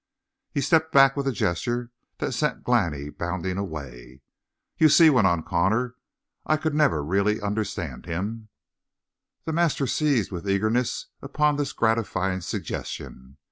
He stepped back with a gesture that sent Glani bounding away. "You see," went on Connor, "I never could really understand him." The master seized with eagerness upon this gratifying suggestion.